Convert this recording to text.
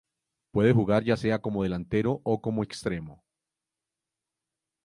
Puede jugar ya sea como delantero o como extremo.